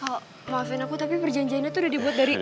kau maafin aku tapi perjanjiannya itu udah dibuat dari